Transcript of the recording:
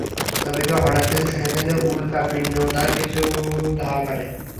তবে কেউ হঠাৎ কিছু শুনে ফেললে উল্কাপিণ্ড তার পিছু ধাওয়া করে।